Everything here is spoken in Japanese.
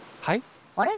あれ？